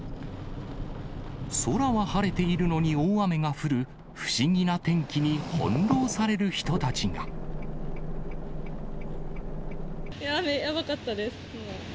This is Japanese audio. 空は晴れているのに大雨が降る不思議な天気に翻弄される人た雨、やばかったです。